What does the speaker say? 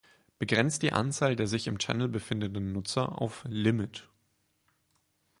Begrenzt die Anzahl der sich im Channel befindenden Benutzer auf "limit".